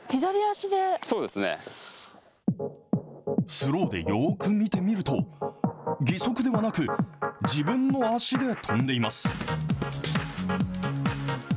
スローでよーく見てみると、義足ではなく、自分の足で跳んでいます。